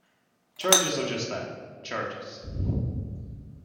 Charges are just that: charges.